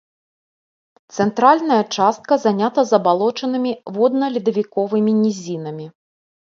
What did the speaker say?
Цэнтральная частка занята забалочанымі водна-ледавіковымі нізінамі.